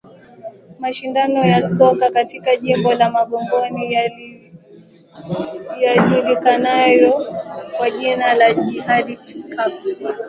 Mashindano ya soka katika Jimbo la Magogoni yajulikanayo kwa jina la Jihadi Cup